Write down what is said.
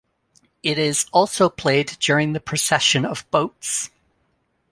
It is also played during the procession of boats.